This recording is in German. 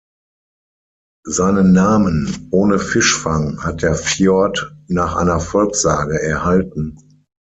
Seinen Namen "ohne Fischfang" hat der Fjord nach einer Volkssage erhalten.